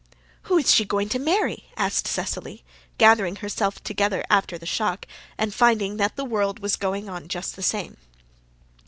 "Who's she going to marry?" asked Cecily, gathering herself together after the shock, and finding that the world was going on just the same.